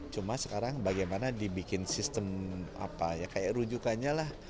cuma sekarang bagaimana dibikin sistem apa ya kayak rujukannya lah